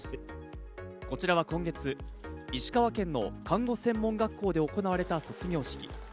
こちらは今月、石川県の看護専門学校で行われた卒業式。